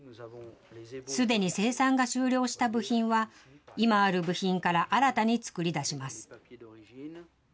すでに生産が終了した部品は、今ある部品から新たに創り出します。